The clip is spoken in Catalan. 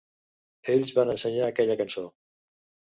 Els van ensenyar aquella cançó.